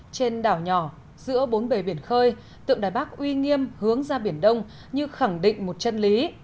trên đảo nhỏ giữa bốn bề biển khơi tượng đài bắc uy nghiêm hướng ra biển đông như khẳng định một chân lý